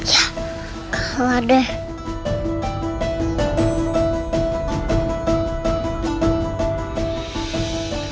ya kalah deh